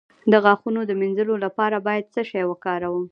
د غاښونو د مینځلو لپاره باید څه شی وکاروم؟